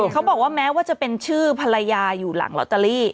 เขาบอกว่าแม้ว่าจะเป็นชื่อภรรยาอยู่หลังลอตเตอรี่